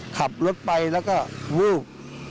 ขับรถไปแล้วก็วูบ